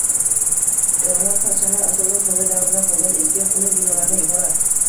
daromad past, shahar asosan sovet davridan qolgan eski, xunuk binolardan iborat.